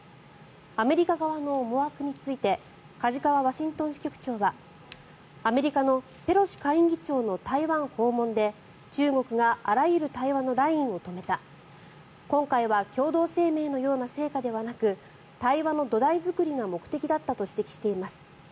アメリカ側の思惑について梶川ワシントン支局長はアメリカのペロシ下院議長の台湾訪問で中国があらゆる対話のラインを止めた今回は共同声明のような成果ではなく対話の土台作りが目的だったと指摘しています。